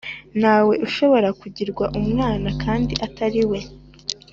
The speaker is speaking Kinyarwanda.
ntawe ushobora kugirwa umwana kandi Atari we